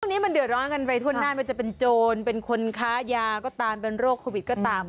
นี้มันเดือดร้อนกันไปทั่วหน้าไม่ว่าจะเป็นโจรเป็นคนค้ายาก็ตามเป็นโรคโควิดก็ตาม